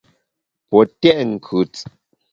Pue tèt nkùt.